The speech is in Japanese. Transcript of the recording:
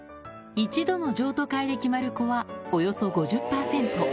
１度の譲渡会で決まる子はおよそ５０％。